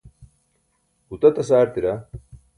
gutatas aartira